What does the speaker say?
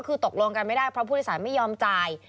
คือตกลงกันไม่ได้เพราะผู้โดยสารไม่ยอมจ่าย